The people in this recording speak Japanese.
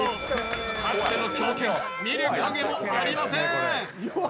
かつての狂犬、見る影もありません